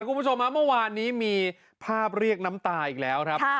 คุณผู้ชมเมื่อวานนี้มีภาพเรียกน้ำตาอีกแล้วครับ